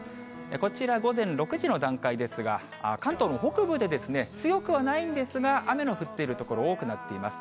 こちら午前６時の段階ですが、関東の北部で強くはないんですが、雨の降っている所、多くなっています。